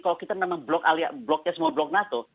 kalau kita memang blok nya semua blok nato